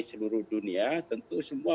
seluruh dunia tentu semua